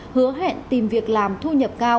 hứa hẹn tìm việc làm thu nhập